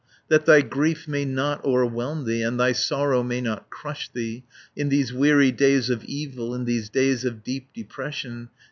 That thy grief may not o'erwhelm thee, And thy sorrow may not crush thee, In these weary days of evil, In these days of deep depression.